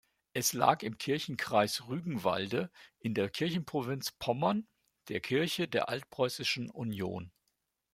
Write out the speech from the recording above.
Es lag im Kirchenkreis Rügenwalde in der Kirchenprovinz Pommern der Kirche der Altpreußischen Union.